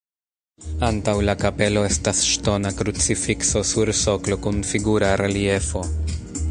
Antaŭ la kapelo estas ŝtona krucifikso sur soklo kun figura reliefo.